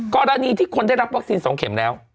กรณีที่คนได้รับวัคซีน๒เข็มแล้ว